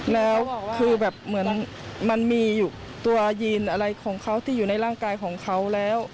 แล้วคือแบบเหมือนมันมีอยู่ตัวยีนอะไรของเขาที่อยู่ในร่างกายของเขาแล้ว